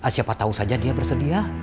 siapa tahu saja dia bersedia